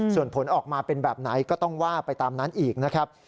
ส่วนผลออกมาเป็นแบบไหนก็ต้องว่าไปตามนั้นอีกนะครับ